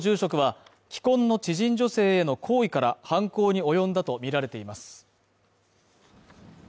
元住職は既婚の知人女性への好意から犯行に及んだとみられています。